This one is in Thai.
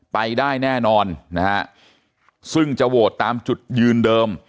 ไปได้แน่นอนนะฮะซึ่งจะโหวตตามจุดยืนเดิม